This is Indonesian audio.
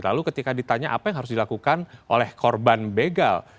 lalu ketika ditanya apa yang harus dilakukan oleh korban begal